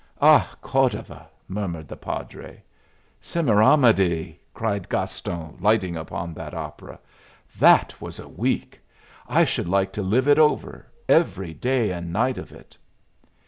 "Ah, Cordova!" murmured the padre. "'Semiramide!'" cried Gaston, lighting upon that opera. "That was a week! I should like to live it over, every day and night of it!"